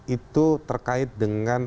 itu terkait dengan